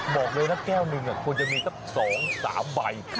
บอกเลยนะแก้วหนึ่งควรจะมีสัก๒๓ใบ